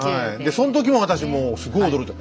その時も私もうすごい驚いた。